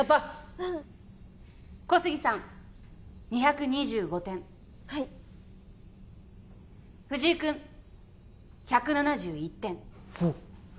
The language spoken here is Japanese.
うん小杉さん２２５点はい藤井君１７１点おっ！